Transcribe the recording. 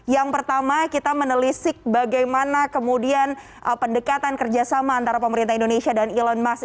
yang pertama kita menelisik bagaimana kemudian pendekatan kerjasama antara pemerintah indonesia dan elon musk